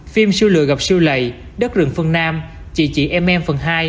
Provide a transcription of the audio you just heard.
phim siêu lừa gặp siêu lầy đất rừng phân nam chị chị em em phần hai